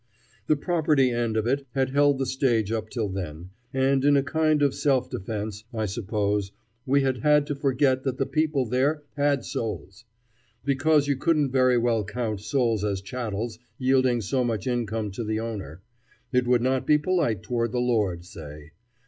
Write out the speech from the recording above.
The property end of it had held the stage up till then, and in a kind of self defence, I suppose, we had had to forget that the people there had souls. Because you couldn't very well count souls as chattels yielding so much income to the owner: it would not be polite toward the Lord, say.